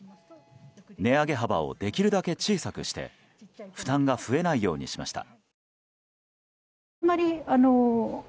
値上げ幅をできるだけ小さくして負担が増えないようにしました。